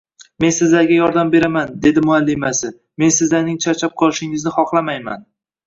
Men sizlarga yordam beraman, dedi muallimasi, men sizlarning charchab qolishingizni xohlamayman